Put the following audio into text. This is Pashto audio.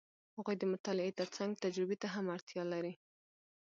هغوی د مطالعې ترڅنګ تجربې ته هم اړتیا لري.